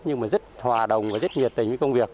nhưng mà rất hòa đồng và rất nhiệt tình với công việc